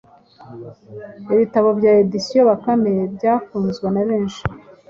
Ibitabo bya Editions Bakame byakunzwe na benshi